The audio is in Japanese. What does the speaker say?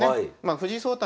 藤井聡太